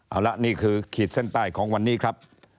เอาละนี่คือขีดเส้นใต้ของวันนี้ครับ